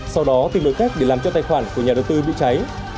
sau đó tìm lối cách để làm cho tài khoản của nhà đầu tư bị cháy